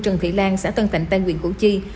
trần thị lan xã tân thành tây huyện củ chi